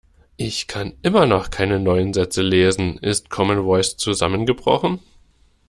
Ich kann immer noch keine neuen Sätze lesen. Ist Commen Voice zusammengebrochen?